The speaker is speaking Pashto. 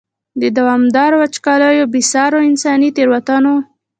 دوامدارو وچکالیو، بې سارو انساني تېروتنو.